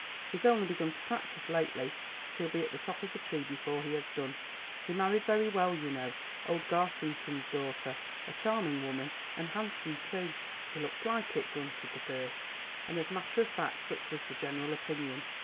"He's only begun to practise lately, but he'll be at the top of the tree before he has done. He married very well, you know, old Garsington's daughter, a charming woman, and handsome too." "He looks like it," grunted the first, and as a matter of fact such was the general opinion.